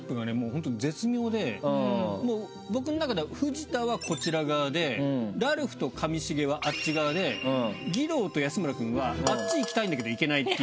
本当に絶妙で僕の中では藤田はこちら側でラルフと上重はあっち側で義堂と安村くんはあっちに行きたいんだけど行けない。